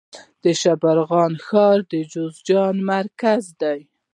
د شبرغان ښار د جوزجان مرکز دی